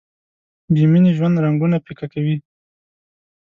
بې مینې ژوند رنګونه پیکه کوي.